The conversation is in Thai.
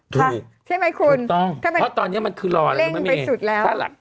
พูดิตรงต้องเพราะว่าตอนนี้มันคืณรอแล้วไม่มีไงถ้าหลัก